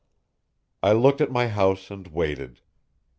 I looked at my house and waited.